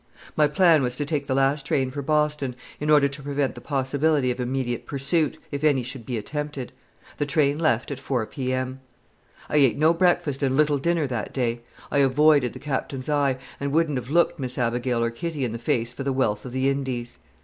My plan was to take the last train for Boston, in order to prevent the possibility of immediate pursuit, if any should be attempted. The train left at 4 P.M. I ate no breakfast and little dinner that day. I avoided the Captain's eye, and wouldn't have looked Miss Abigail or Kitty in the face for the wealth of the Indies.